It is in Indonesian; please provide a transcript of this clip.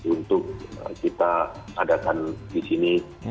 untuk kita adakan di sini